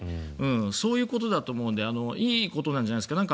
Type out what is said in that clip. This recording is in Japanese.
そういうことだと思うのでいいことなんじゃないですか。